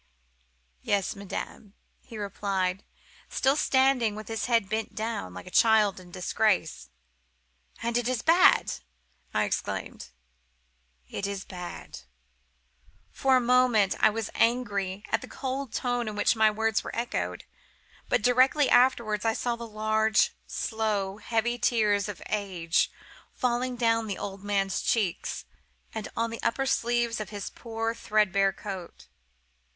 "'Yes, madame,' he replied, still standing with his head bent down, like a child in disgrace. "'And it is bad!' I exclaimed. "'It is bad.' For a moment I was angry at the cold tone in which my words were echoed; but directly afterwards I saw the large, slow, heavy tears of age falling down the old man's cheeks, and on to the sleeves of his poor, threadbare coat.